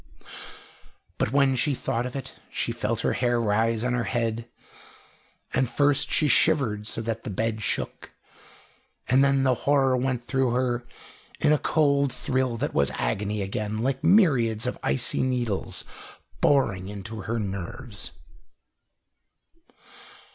But when she thought of it, she felt her hair rise on her head, and first she shivered so that the bed shook, and then the horror went through her in a cold thrill that was agony again, like myriads of icy needles boring into her nerves.